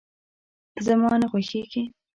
زما نه خوښيږي.